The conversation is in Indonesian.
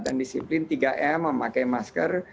dan disiplin tiga m memakai masker